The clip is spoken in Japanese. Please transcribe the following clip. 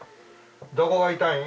どこが痛いん？